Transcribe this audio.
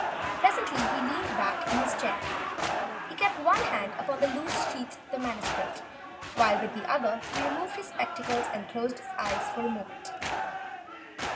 Presently he leaned back in his chair. He kept one hand upon the loose sheets of manuscript, while with the other he removed his spectacles. Then he closed his eyes for a moment.